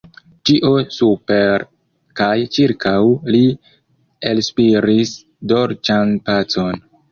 Ĉio super kaj ĉirkaŭ li elspiris dolĉan pacon.